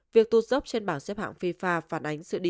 việc tu dốc trên bảng xếp hạng fifa phản ánh sự đi